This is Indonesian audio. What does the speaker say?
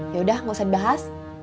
yaudah nggak usah dibahas